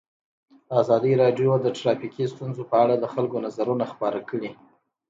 ازادي راډیو د ټرافیکي ستونزې په اړه د خلکو نظرونه خپاره کړي.